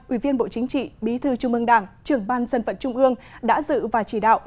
ủy viên bộ chính trị bí thư trung ương đảng trưởng ban dân vận trung ương đã dự và chỉ đạo